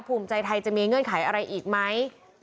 ภูมิใจไทยจะมีเงื่อนไขอะไรอีกไหม